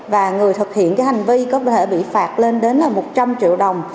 và người thực hiện hành vi có thể bị phạt lên đến một trăm linh triệu đồng